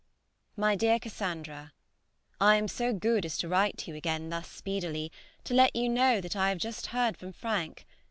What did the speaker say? MY DEAR CASSANDRA, I am so good as to write to you again thus speedily, to let you know that I have just heard from Frank.